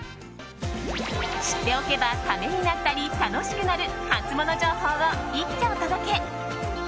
知っておけば、ためになったり楽しくなるハツモノ情報を一挙お届け。